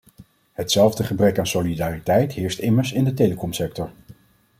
Hetzelfde gebrek aan solidariteit heerst immers in de telecomsector.